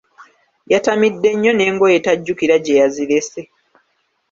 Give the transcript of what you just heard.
Yatamidde nnyo n’engoye tajjukira gye yazirese.